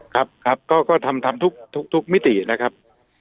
ครับครับก็ทำทุกมิตินะครับ